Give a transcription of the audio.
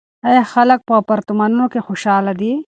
آیا خلک په اپارتمانونو کې خوشحاله دي؟